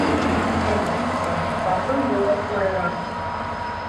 Әлбиттә, баҫыу юлы арыраҡ.